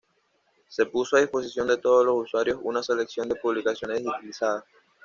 Se puso a disposición de todos los usuarios una selección de publicaciones digitalizadas.